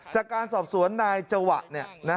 จากการสอบสวนนายจวะ